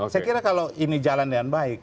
saya kira kalau ini jalan dengan baik